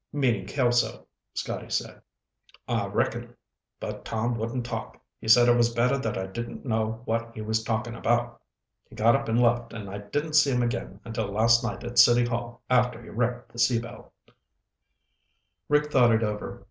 '" "Meaning Kelso," Scotty said. "I reckon, but Tom wouldn't talk. He said it was better that I didn't know what he was talking about. He got up and left and I didn't see him again until last night at City Hall after he wrecked the Sea Belle." Rick thought it over.